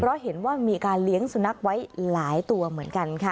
เพราะเห็นว่ามีการเลี้ยงสุนัขไว้หลายตัวเหมือนกันค่ะ